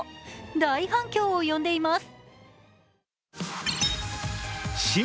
大反響を呼んでいます。